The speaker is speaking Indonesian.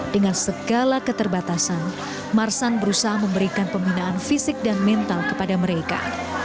dengan segala keterbatasan marsan berusaha memberikan pembinaan fisik dan mental kepada mereka